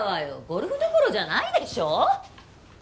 ゴルフどころじゃないでしょ！